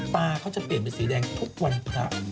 ตาเขาจะเปลี่ยนเป็นสีแดงทุกวันพระ